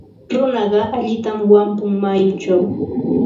Runaqa allintam wampun mayuchaw.